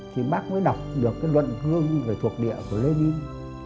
thì bác mới đọc được cái luận cương về thuộc địa của lê ninh